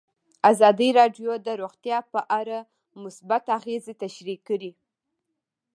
ازادي راډیو د روغتیا په اړه مثبت اغېزې تشریح کړي.